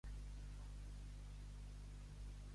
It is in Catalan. Més embolicat que una madeixa.